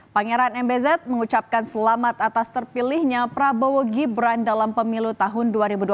pangeran mbz mengucapkan selamat atas terpilihnya prabowo gibran dalam pemilu tahun dua ribu dua puluh